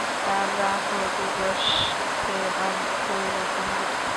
তাঁর রাত ও দিবসকে আমিই পরিবর্তন করি।